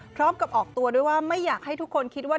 พร้อมกับออกตัวด้วยว่าไม่อยากให้ทุกคนคิดว่า